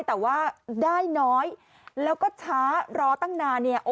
แต่ว่าได้น้อยแล้วก็ช้ารอตั้งนานเนี่ย